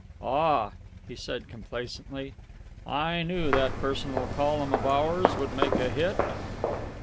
"Ah!" he said complacently, "I knew that personal column of ours would make a hit!"